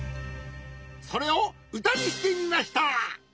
それをうたにしてみました！